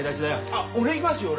あっ俺行きますよ俺。